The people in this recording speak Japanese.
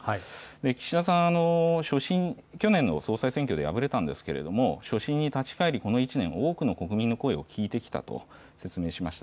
岸田さん、去年の総裁選挙で敗れたんですけれども、初心に立ち返り、この１年、多くの国民の声を聞いてきたと説明しました。